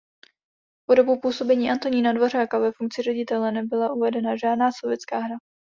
Po dobu působení Antonína Dvořáka ve funkci ředitele nebyla uvedena žádná sovětská hra.